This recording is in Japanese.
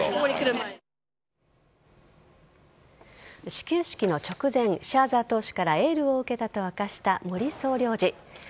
始球式の直前シャーザー投手からエールを受けたと明かした森総領事。